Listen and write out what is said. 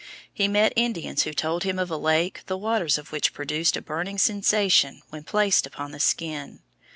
He met Indians who told him of a lake the waters of which produced a burning sensation when placed upon the skin.